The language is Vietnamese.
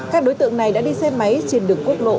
các đối tượng này đã đi xe máy trên đường quốc lộ